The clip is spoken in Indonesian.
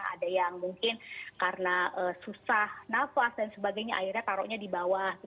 ada yang mungkin karena susah nafas dan sebagainya akhirnya taruhnya di bawah